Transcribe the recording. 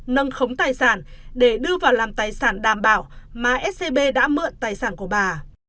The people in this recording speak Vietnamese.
nâng khống tài sản để đưa vào làm tài sản đảm bảo mà scb đã mượn tài sản của bà